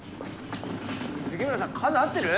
杉村さん数合ってる？